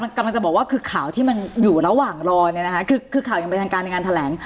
กำลังจะบอกว่าคือข่าวที่มันอยู่ระหว่างรอคือข่าวยังเป็นทางการในงานแถลง